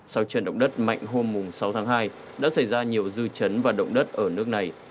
sau trận động đất mạnh hôm sáu tháng hai đã xảy ra nhiều dư chấn và động đất ở nước này